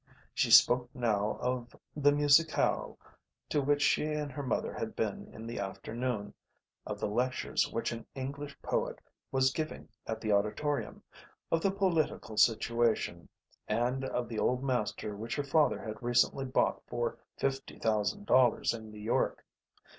She spoke now of the Musicale to which she and her mother had been in the afternoon, of the lectures which an English poet was giving at the Auditorium, of the political situation, and of the Old Master which her father had recently bought for fifty thousand dollars in New York.